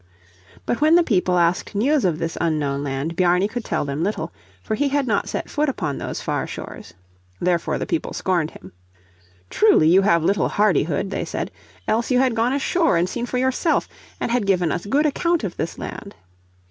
But when the people asked news of this unknown land Bjarni could tell them little, for he had not set foot upon those far shores. Therefore the people scorned him. "Truly you have little hardihood," they said, "else you had gone ashore, and seen for yourself, and had given us good account of this land."